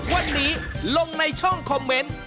วันนี้ลงในช่องคอมเมนต์